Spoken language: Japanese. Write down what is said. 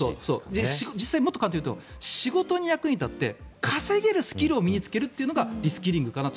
もっというと仕事に役に立って稼げるスキルを身につけるというのがリスキリングかなと。